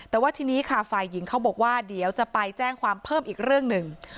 แต่ว่าทีนี้ค่ะฝ่ายหญิงเขาบอกว่าเดี๋ยวจะไปแจ้งความเพิ่มอีกเรื่องหนึ่ง